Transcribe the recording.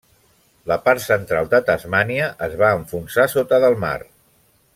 La part central de Tasmània es va enfonsar sota del mar.